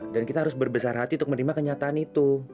dan kita harus berbesar hati untuk menerima kenyataan itu